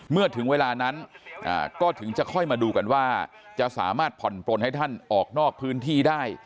เมื่อถึงเวลานั้นก็ถึงจะค่อยมาดูกันว่าจะสามารถผ่อนปลนให้ท่านออกนอกพื้นที่ได้